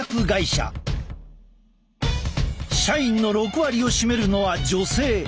社員の６割を占めるのは女性。